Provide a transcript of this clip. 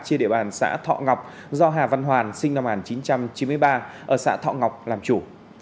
trên địa bàn xã thọ ngọc do hà văn hoàn sinh năm một nghìn chín trăm chín mươi ba ở xã thọ ngọc làm chủ